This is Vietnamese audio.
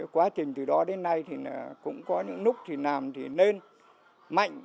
quá trình từ đó đến nay thì cũng có những lúc thì làm thì nên mạnh